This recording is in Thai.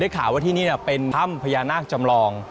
ข่าวว่าที่นี่เป็นถ้ำพญานาคจำลอง